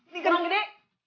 ni kurang gede